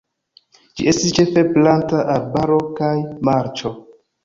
Ĝi estis ĉefe plata arbaro kaj marĉo.